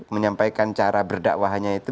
menyampaikan cara berdakwahnya itu